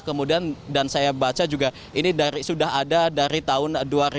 kemudian dan saya baca juga ini sudah ada dari tahun dua ribu dua